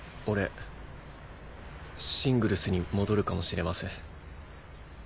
俺シングルスに戻るかもしれません。